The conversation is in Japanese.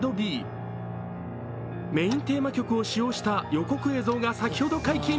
メーンテーマ曲を使用した予告映像が先ほど解禁。